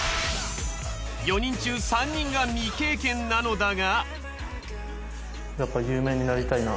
４人中３人が未経験なのだが。